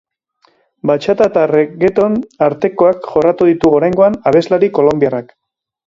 Batxata eta reggaeton artekoak jorratu ditu oraingoan abeslari kolonbiarrak.